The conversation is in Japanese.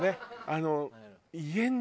あの。